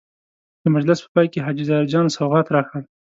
د مجلس په پای کې حاجي ظاهر جان سوغات راکړ.